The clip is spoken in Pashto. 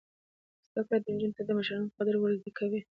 زده کړه نجونو ته د مشرانو قدر ور زده کوي.